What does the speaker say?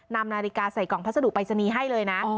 นำนาฬิกาใส่กล่องพัสดุปรายศนีย์ให้เลยนะ